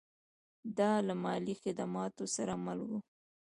دا له مالي خدماتو سره مل و